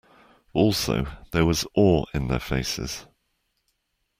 Also, there was awe in their faces.